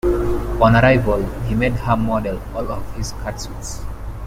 On arrival, he made her model all of his catsuits.